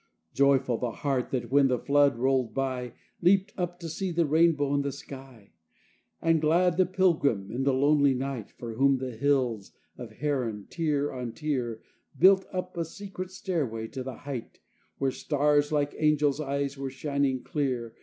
IV Joyful the heart that, when the flood rolled by, Leaped up to see the rainbow in the sky; And glad the pilgrim, in the lonely night, For whom the hills of Haran, tier on tier, Built up a secret stairway to the height Where stars like angel eyes were shining clear.